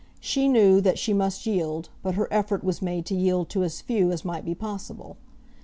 She knew that she must yield, but her effort was made to yield to as few as might be possible.